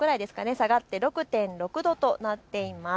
下がって６．６度となっています。